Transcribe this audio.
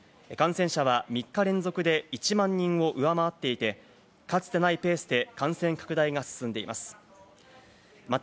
感染者は３日連続で１万人を上回っていて、かつてないペースで感染拡大が進んでいます。